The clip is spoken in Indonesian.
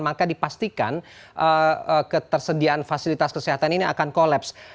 maka dipastikan ketersediaan fasilitas kesehatan ini akan kolaps